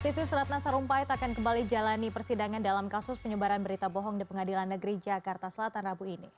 sitis ratna sarumpait akan kembali jalani persidangan dalam kasus penyebaran berita bohong di pengadilan negeri jakarta selatan rabu ini